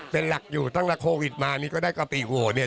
เป็นหลักอยู่ตั้งแต่โควิดมานี่ก็ได้กะปิโวเนี่ย